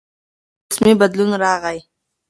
داسې په ښځه کې جسمي بدلون راغى.